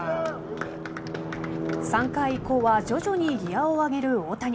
３回以降は徐々にギアを上げる大谷。